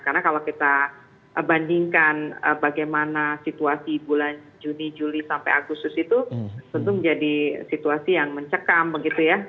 karena kalau kita bandingkan bagaimana situasi bulan juni juli sampai agustus itu tentu menjadi situasi yang mencekam begitu ya